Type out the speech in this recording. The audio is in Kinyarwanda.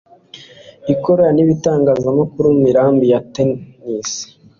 ikorera n’ibitangaza mu mirambi ya Tanisi